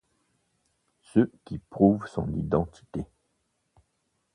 Ce qui prouve son identité.